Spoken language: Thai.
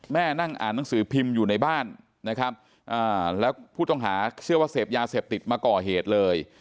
นั่งอ่านหนังสือพิมพ์อยู่ในบ้านนะครับแล้วผู้ต้องหาเชื่อว่าเสพยาเสพติดมาก่อเหตุเลย